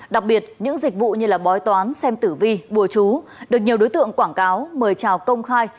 đặc biệt những dịch vụ như bói toán xem tử vi bùa chú được nhiều đối tượng quảng cáo mời trào công khai